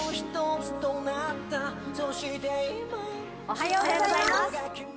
おはようございます。